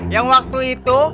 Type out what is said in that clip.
yang waktu itu